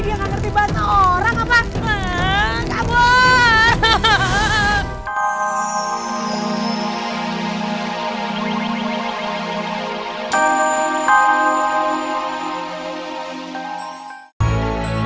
dia nggak ngerti bahwa seorang apaan